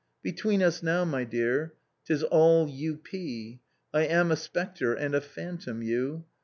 "Between us now, my dear, 'tis all U. P., I am a spectre and a phantom you.